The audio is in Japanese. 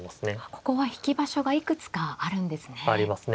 ここは引き場所がいくつかあるんですね。